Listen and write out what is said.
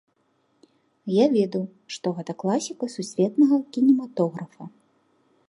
Я ведаў, што гэта класіка сусветнага кінематографа.